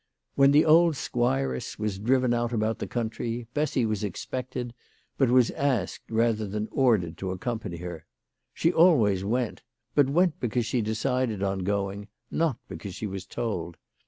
When the old squiress was driven out about the county, Bessy was expected, but was asked rather than ordered to accompany her. She always went ; but went because she decided on going, not because she was told.